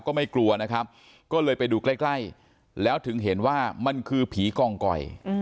ก็ไม่กลัวนะครับก็เลยไปดูใกล้ใกล้แล้วถึงเห็นว่ามันคือผีกองกอย